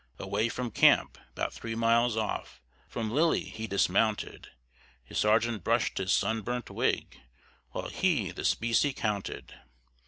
Away from camp, 'bout three miles off, From Lily he dismounted. His sergeant brush'd his sun burnt wig While he the specie counted.